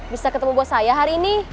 bisa ketemu buat saya hari ini